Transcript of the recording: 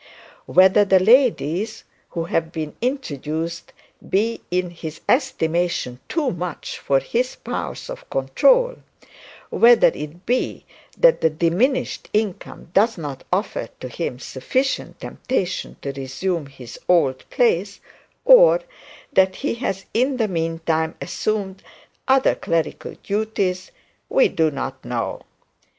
Whether the ladies who have been introduced, be in his estimation too much for his powers of control, whether it be that the diminished income does not offer to him sufficient temptation to resume the old place, or that he has in the meantime assumed other clerical duties, we do not know.